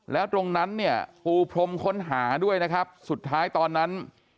แล้วตรงนั้นเนี่ยปูพรมค้นหาด้วยนะครับสุดท้ายตอนนั้น